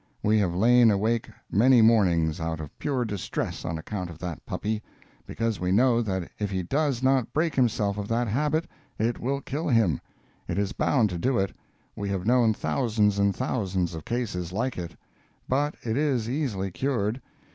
We have lain awake many mornings out of pure distress on account of that puppy—because we know that if he does not break himself of that habit it will kill him; it is bound to do it—we have known thousands and thousands of cases like it. But it is easily cured.